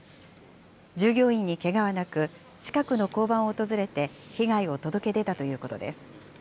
従業員にけがはなく、近くの交番を訪れて、被害を届け出たということです。